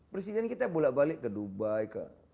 perhiasan kita bolak balik ke dubai ke